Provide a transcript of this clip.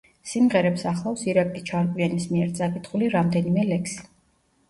სიმღერებს ახლავს ირაკლი ჩარკვიანის მიერ წაკითხული რამდენიმე ლექსი.